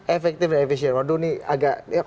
efektif dan efisien waduh ini agak